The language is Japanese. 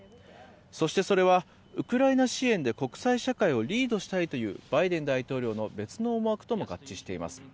そして、それはウクライナ支援で国際社会をリードしたいというバイデン大統領の別の思惑とも合致しています。